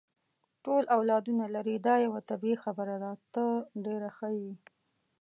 ټول اولادونه لري، دا یوه طبیعي خبره ده، ته ډېره ښه یې.